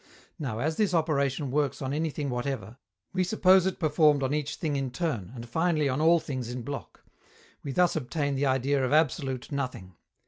Now, as this operation works on anything whatever, we suppose it performed on each thing in turn, and finally on all things in block. We thus obtain the idea of absolute Nothing.